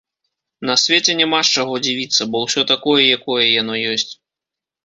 На свеце няма з чаго дзівіцца, бо ўсё такое, якое яно ёсць.